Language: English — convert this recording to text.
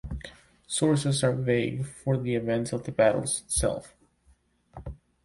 Sources are vague for the events of the battle itself.